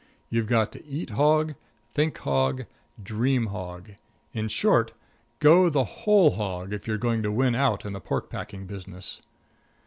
You've got to eat hog, think hog, dream hog in short, go the whole hog if you're going to win out in the pork packing business.